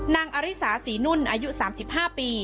นางอริษาสีนุ่นอายุ๓๕ปี